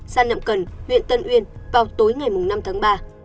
sa nậm cần huyện tân uyên vào tối ngày năm tháng ba